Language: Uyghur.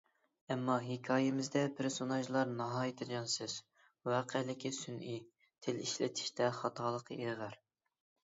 ئەمما ھېكايىڭىزدە پېرسوناژلار ناھايىتى جانسىز، ۋەقەلىكى سۈنئىي، تىل ئىشلىتىشتە خاتالىق ئېغىر.